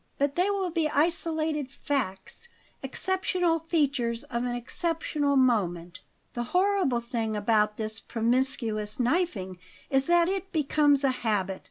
But they will be isolated facts exceptional features of an exceptional moment. The horrible thing about this promiscuous knifing is that it becomes a habit.